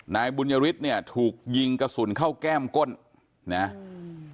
นายบุญยฤทธิ์เนี่ยถูกยิงกระสุนเข้าแก้มก้นนะอืม